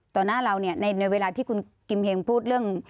หน้าเราเนี่ยในเวลาที่คุณกิมเฮงพูดเรื่อง